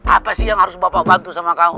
apa sih yang harus bapak bantu sama kamu